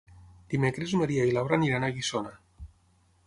Dimecres en Maria i na Laura iran a Guissona.